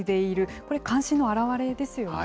これ、関心の表れですよね。